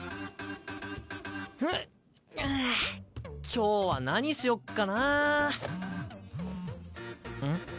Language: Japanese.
今日は何しよっかな。